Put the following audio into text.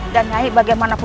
dan nyai bagaimanapun